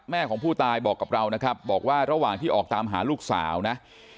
ของผู้ตายบอกกับเรานะครับบอกว่าระหว่างที่ออกตามหาลูกสาวนะ